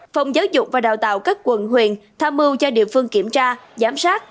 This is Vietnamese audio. phòng giáo dục và đào tạo các quần huyền tham mưu cho địa phương kiểm tra giám sát